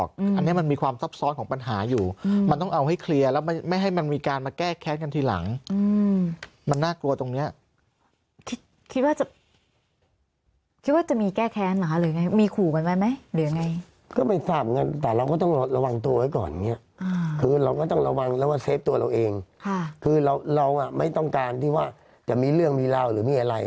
คิดว่าจะคิดว่าจะมีแก้แค้นเหรอไงมีขู่กันไว้ไหมหรือไง